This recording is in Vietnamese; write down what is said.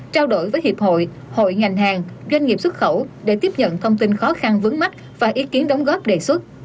trao đổi với hiệp hội hội ngành hàng doanh nghiệp xuất khẩu để tiếp nhận thông tin khó khăn vướng mắt và ý kiến đóng góp đề xuất